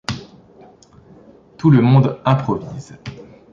Tout le monde improvise.